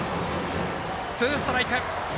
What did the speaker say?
ツーストライク。